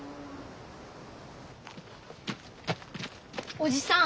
おじさん。